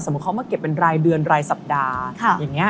สมมุติเขามาเก็บเป็นรายเดือนรายสัปดาห์